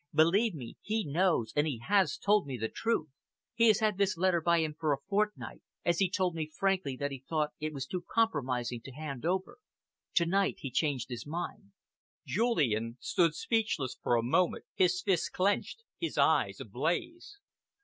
Believe me, he knows, and he has told me the truth. He has had this letter by him for a fortnight, as he told me frankly that he thought it too compromising to hand over. To night he changed his mind." Julian stood speechless for a moment, his fists clenched, his eyes ablaze.